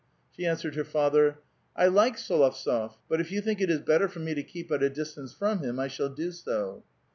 She answered her father: " I like S61ovtsof ; but if you think it is better for me to keep at a distance from him, I shall do so."